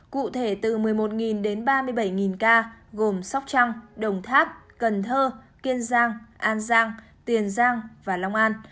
cụ thể từ một mươi một đến ba mươi bảy ca gồm sóc trăng đồng tháp cần thơ kiên giang an giang tiền giang và long an